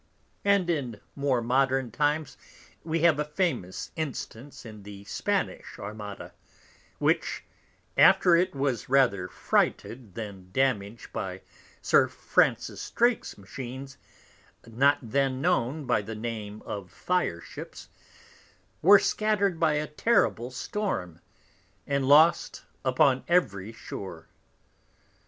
And in more modern times we have a famous Instance in the Spanish Armada; which, after it was rather frighted than damag'd by Sir Francis Drake's Machines, not then known by the Name of Fireships, were scatter'd by a terrible Storm, and lost upon every Shore.